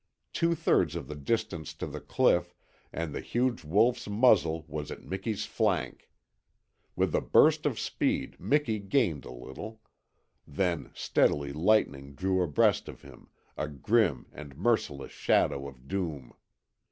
Two thirds of the distance to the cliff and the huge wolf's muzzle was at Miki's flank. With a burst of speed Miki gained a little. Then steadily Lightning drew abreast of him, a grim and merciless shadow of doom.